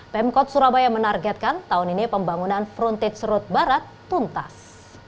pemkot surabaya menargetkan tahun ini pembangunan frontage road barat tuntas